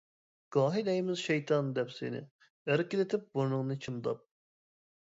گاھى دەيمىز شەيتان دەپ سېنى، ئەركىلىتىپ بۇرنۇڭنى چىمداپ.